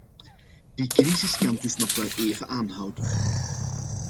Die crisis kan dus nog wel even aanhouden.